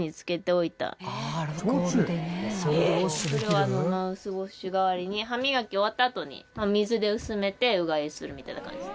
これをマウスウォッシュ代わりに歯磨き終わったあとに水で薄めてうがいするみたいな感じで。